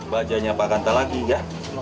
bajajnya pak kanta lagi gak